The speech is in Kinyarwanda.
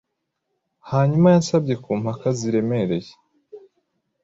Hanyuma yansabye kumpaka ziremereye